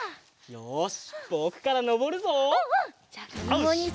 よし！